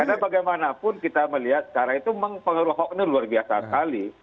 karena bagaimanapun kita melihat karena itu pengaruh hoks ini luar biasa sekali